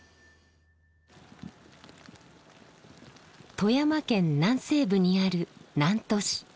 富山県南西部にある南砺市。